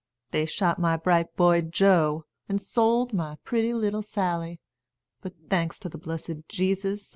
They shot my bright boy Joe, an' sold my pretty little Sally; but, thanks to the blessed Jesus!